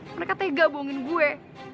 mereka tega bohongin gue